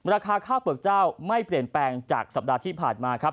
ราคาข้าวเปลือกเจ้าไม่เปลี่ยนแปลงจากสัปดาห์ที่ผ่านมาครับ